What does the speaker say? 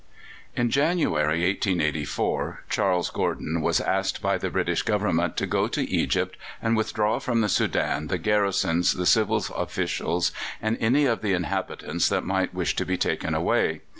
In January, 1884, Charles Gordon was asked by the British Government to go to Egypt and withdraw from the Soudan the garrisons, the civil officials, and any of the inhabitants who might wish to be taken away.